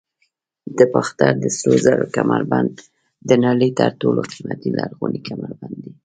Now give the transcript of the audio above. د باختر د سرو زرو کمربند د نړۍ تر ټولو قیمتي لرغونی کمربند دی